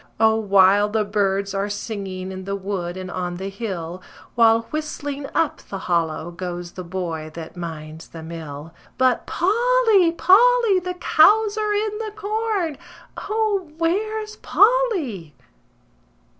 O, wild the birds are singing in the wood and on the hill, While whistling up the hollow goes the boy that minds the mill. But Polly! Polly! The cows are in the corn! O, where's Polly?